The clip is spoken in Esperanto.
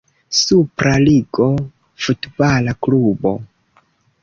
Supra Ligo futbala klubo.